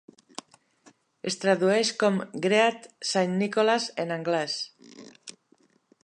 Es tradueix com "Great Saint Nicholas" en anglès.